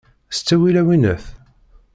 S ttawil a winnat!